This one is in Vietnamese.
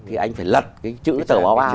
thì anh phải lật cái chữ tờ báo a